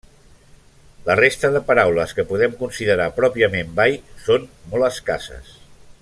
La resta de paraules que podem considerar pròpiament bai són molt escasses.